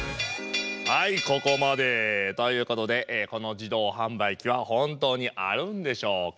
はいここまで。ということでこの自動販売機は本当にあるんでしょうか？